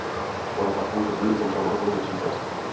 O rok a půl později zemřel na rakovinu ve Švýcarsku.